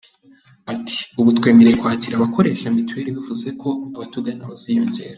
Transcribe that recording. Ati “Ubu twemerewe kwakira abakoresha mituweri bivuze ko abatugana baziyongera.